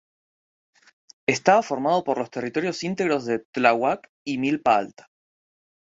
Estaba formado por los territorios íntegros del Tláhuac y Milpa Alta.